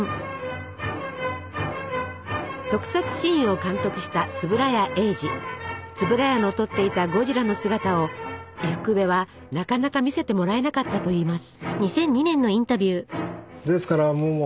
特撮シーンを監督した円谷の撮っていたゴジラの姿を伊福部はなかなか見せてもらえなかったといいます。